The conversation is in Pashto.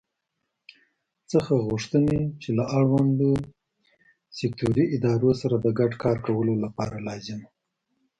څخه غوښتي چې له اړوندو سکټوري ادارو سره د ګډ کار کولو لپاره لازمه